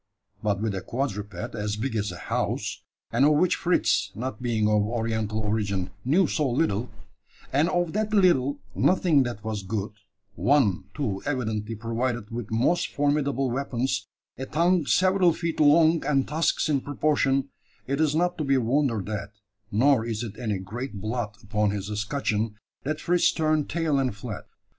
But with a quadruped as big as a house and of which Fritz, not being of Oriental origin, knew so little; and of that little nothing that was good one, too, evidently provided with most formidable weapons, a tongue several feet long, and tusks in proportion it is not to be wondered at, nor is it any great blot upon his escutcheon, that Fritz turned tail and fled.